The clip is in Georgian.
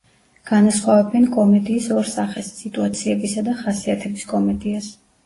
განასხვავებენ კომედიის ორ სახეს: სიტუაციებისა და ხასიათების კომედიას.